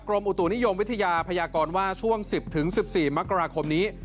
อุตุนิยมวิทยาพยากรว่าช่วง๑๐๑๔มกราคมนี้